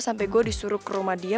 sampai gue disuruh ke rumah dia